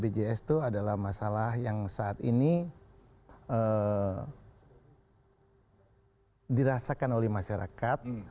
bpjs itu adalah masalah yang saat ini dirasakan oleh masyarakat